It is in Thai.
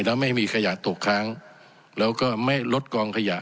แล้วไม่มีขยะตกค้างแล้วก็ไม่ลดกองขยะ